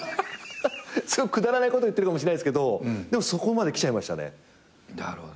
すごいくだらないこと言ってるかもしれないですけどでもそこまできちゃいましたね。